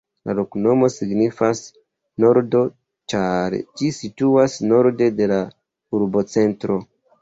La loknomo signifas: nordo, ĉar ĝi situas norde de la urbocentro.